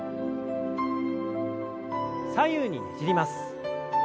左右にねじります。